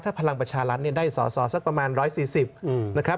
พลังประชารัฐได้สอสอสักประมาณ๑๔๐นะครับ